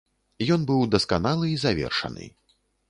Ён быў дасканалы і завершаны.